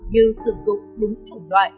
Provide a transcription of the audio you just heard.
như sử dụng đúng chủng đoại